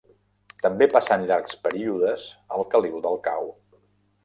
També passen llargs períodes al caliu del cau.